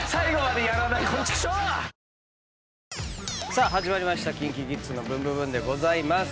さあ始まりました『ＫｉｎＫｉＫｉｄｓのブンブブーン！』です。